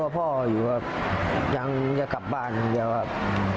พ่ออยู่ครับยังจะกลับบ้านอย่างเดียวครับ